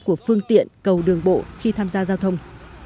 của phương tiện cầu đường bộ khi tham gia giao thông